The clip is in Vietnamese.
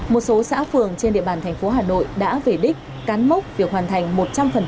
một số xã phường trên địa bàn thành phố hà nội đã về đích cán mốc việc hoàn thành một trăm linh